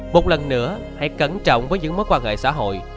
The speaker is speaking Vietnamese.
một lần nữa hãy cẩn trọng với những mối quan hệ xã hội